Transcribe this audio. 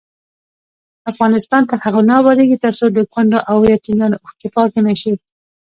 افغانستان تر هغو نه ابادیږي، ترڅو د کونډو او یتیمانو اوښکې پاکې نشي.